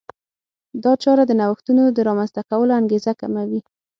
دا چاره د نوښتونو د رامنځته کولو انګېزه کموي.